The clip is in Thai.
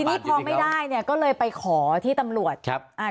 ทีนี้พอไม่ได้ก็เลยไปขอที่ตำรวจ